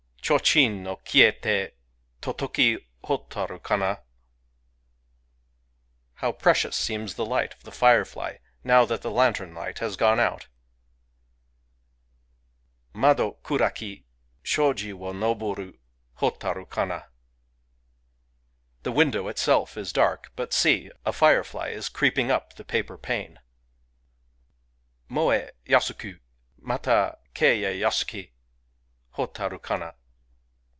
Chochin no Kiyete, totoki Hotaru kana ! How precious seems [the light of] the firefly, now that the lantern light has gone out ! Mado kuraki, Shoji wo noboru Hotaru kana ! The window itself is dark ; but see !— a firefly is creep ing up the paper pane ! Moe yasuku, Mata keye yasuki, Hotaru kana